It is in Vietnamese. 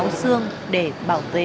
các đồng chí thương bệnh bệnh bệnh